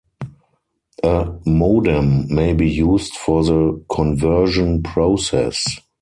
A modem may be used for the conversion process.